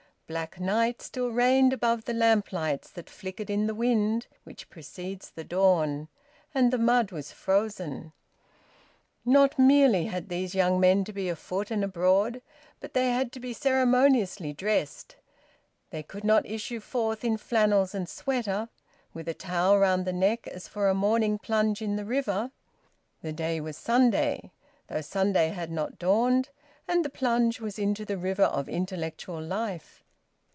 Black night still reigned above the lamplights that flickered in the wind which precedes the dawn, and the mud was frozen. Not merely had these young men to be afoot and abroad, but they had to be ceremoniously dressed. They could not issue forth in flannels and sweater, with a towel round the neck, as for a morning plunge in the river. The day was Sunday, though Sunday had not dawned, and the plunge was into the river of intellectual life.